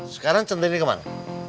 sekarang centini ke mana